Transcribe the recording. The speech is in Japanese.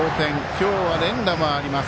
今日は連打もあります